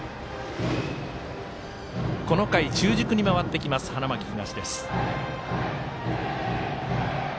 この回、中軸に回ってきます花巻東。